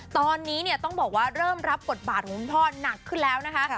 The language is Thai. ตอนนี้เนี่ยต้องบอกว่าเริ่มรับบทบาทของคุณพ่อหนักขึ้นแล้วนะคะ